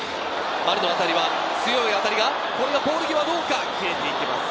丸の当たりは強い当たりがポール際、どうか、切れていきます。